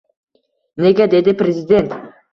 Nega!?– dedi Prezident.